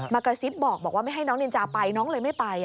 กระซิบบอกว่าไม่ให้น้องนินจาไปน้องเลยไม่ไป